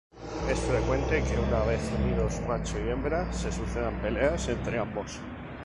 Es frecuente que una vez unidos macho y hembra se sucedan peleas entre ambos.